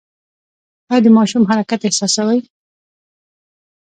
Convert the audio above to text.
ایا د ماشوم حرکت احساسوئ؟